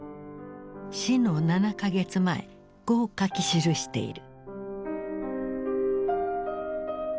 死の７か月前こう書き記している。